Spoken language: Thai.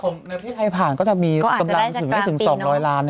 ในพิธีไทยผ่านก็จะมีกำลังถึง๒๐๐ล้าน